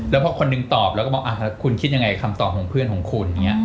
แล้วพอคนหนึ่งตอบแล้วก็บอกคุณคิดยังไงคำตอบของเพื่อนของคุณอย่างนี้